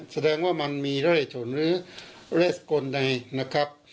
แสดงว่ามันมีเรื่อยชนหรือเรสกลใดนะครับ